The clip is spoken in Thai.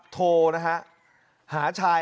พระอยู่ที่ตะบนมไพรครับ